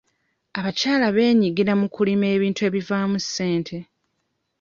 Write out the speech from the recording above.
Abakyala beenyigira mu kulima ebintu ebivaamu ssente.